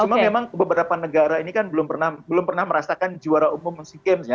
cuma memang beberapa negara ini kan belum pernah merasakan juara umum sea games ya